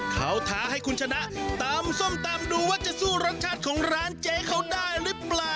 เขาท้าให้คุณชนะตำส้มตำดูว่าจะสู้รสชาติของร้านเจ๊เขาได้หรือเปล่า